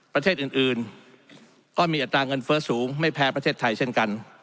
ประเทศอื่นก็มีอัตราเงินเฟ้อสูงไม่แพ้ประเทศไทยเช่นกัน